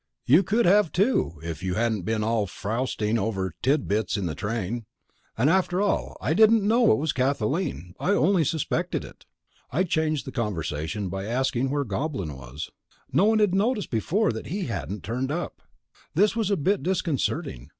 "You could have, too, if you hadn't been all frowsting over Tit Bits in the train. And after all, I didn't know it was Kathleen. I only suspected it." I changed the conversation by asking where the Goblin was. No one had noticed before that he hadn't turned up. This was a bit disconcerting.